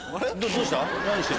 どうした？